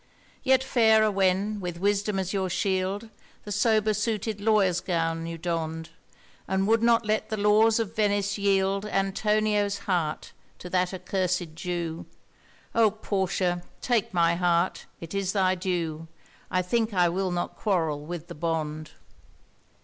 Yet fairer when with wisdom as your shield The sober suited lawyer's gown you donned, And would not let the laws of Venice yield Antonio's heart to that accursèd Jew— O Portia! take my heart: it is thy due: I think I will not quarrel with the Bond.